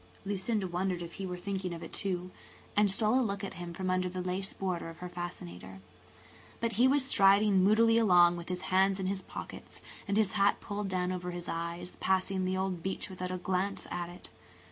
Lucinda wondered if he were thinking of it, too, and stole a look at him from under the lace border of her fascinator. But he was striding moodily along with his hands in his pockets, and his hat pulled down over his eyes, passing the old beech without a glance at it.